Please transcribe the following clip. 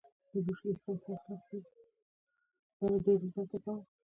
هغه له خلکو سره په ازادانه ډول خبرې پيل کړې.